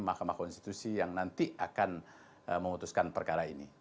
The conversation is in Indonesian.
mahkamah konstitusi yang nanti akan memutuskan perkara ini